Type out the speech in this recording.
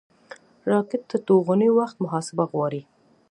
راکټ د توغونې وخت محاسبه غواړي